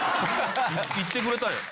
行ってくれたんや。